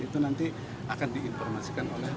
itu nanti akan diinformasikan oleh